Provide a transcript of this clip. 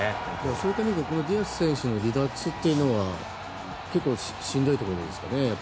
そういう意味ではこのディアス選手の離脱というのは結構しんどいところですかね。